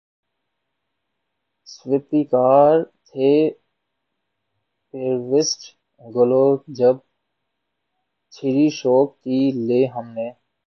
سو پیکاں تھے پیوست گلو جب چھیڑی شوق کی لے ہم نے